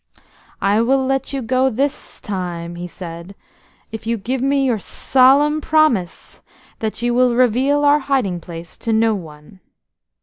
"I will let you go this time," he said, "if you give me your solemn promise that you will reveal our hiding place to no one."